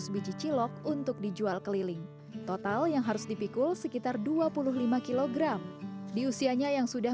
biji cilok untuk dijual keliling total yang harus dipikul sekitar dua puluh lima kg di usianya yang sudah